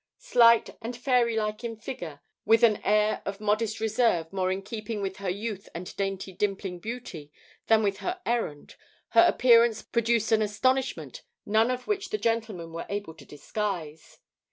Slight and fairy like in figure, with an air of modest reserve more in keeping with her youth and dainty dimpling beauty than with her errand, her appearance produced an astonishment none of which the gentlemen were able to disguise.